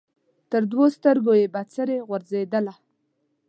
تر دوو سترګو یې بڅري غورځېدله